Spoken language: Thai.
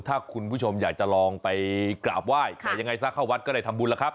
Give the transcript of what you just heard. ถ้าคุณผู้ชมอยากจะลองไปกราบไหว้แต่ยังไงซะเข้าวัดก็ได้ทำบุญแล้วครับ